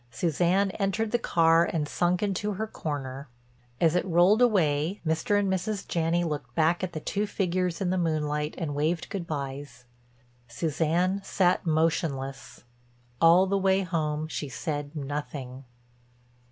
Suzanne entered the car and sunk into her corner. As it rolled away Mr. and Mrs. Janney looked back at the two figures in the moonlight and waved good byes. Suzanne sat motionless; all the way home she said nothing.